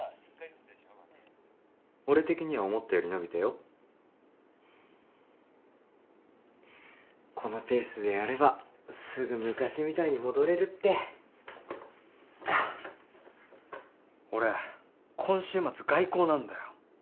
俺的には思ったより伸びたよこのペースでやればすぐ昔みたいに戻れるって俺今週末外交なんだよ